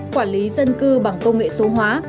quản lý dân cư bằng công nghệ số hóa